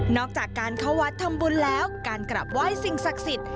อกจากการเข้าวัดทำบุญแล้วการกลับไหว้สิ่งศักดิ์สิทธิ์